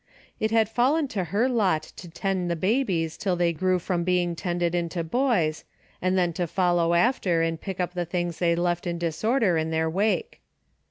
It had fallen to her lot to tend the babies till they grew from being tended into boys, and then to follow after and pick up the things they left in dis DAILY date: 19 order in their wake.